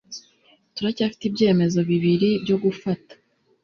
Turacyafite ibyemezo bibiri byo gufata.